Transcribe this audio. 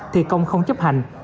thì công không chấp hành